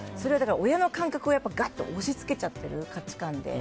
親の感覚を押し付けちゃってる価値観で。